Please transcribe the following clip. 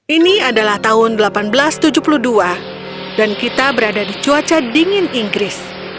ini adalah tahun seribu delapan ratus tujuh puluh dua dan kita berada di cuaca dingin inggris